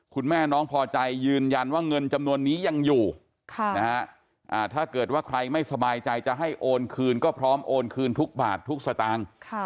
คุณแม่น้องพอใจยืนยันว่าเงินจำนวนนี้ยังอยู่ถ้าเกิดว่าใครไม่สบายใจจะให้โอนคืนก็พร้อมโอนคืนทุกบาททุกสตางค์